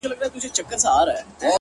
لـه ژړا دي خداى را وساته جانـانـه;